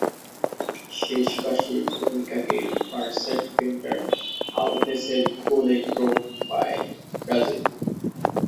শেষ বাঁশির খানিক আগে বার্সা ডিফেন্ডার আলভেসের গোলে ড্র পায় ব্রাজিল।